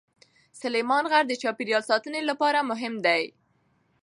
سلیمان غر د چاپیریال ساتنې لپاره مهم دی.